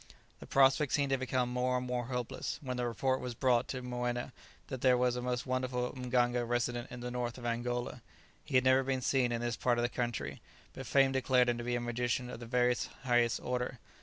The prospect seemed to become more and more hopeless, when the report was brought to Moena that there was a most wonderful mganga resident in the north of Angola. He had never been seen in this part of the country, but fame declared him to be a magician of the very highest order.